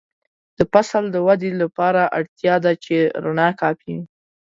د فصل د ودې لپاره اړتیا ده چې رڼا کافي وي.